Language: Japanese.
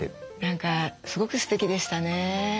何かすごくすてきでしたね。